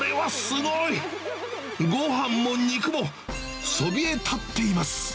ごはんも肉も、そびえたっています。